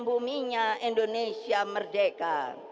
buminya indonesia merdeka